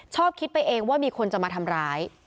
ชอบคิดไปเองว่ามีคนจะมาทำร้าย